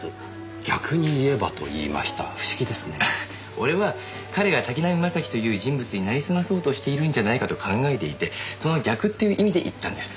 俺は彼が滝浪正輝という人物になりすまそうとしているんじゃないかと考えていてその逆っていう意味で言ったんです。